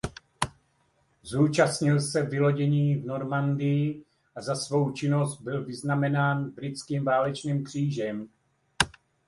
Zúčastnil se vylodění v Normandii a za svou činnost byl vyznamenán britským válečným křížem.